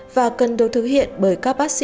và cần được thực hiện bởi các cơ sở thẩm mỹ